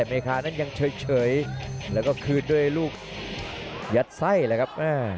เมคานั้นยังเฉยแล้วก็คืนด้วยลูกยัดไส้เลยครับ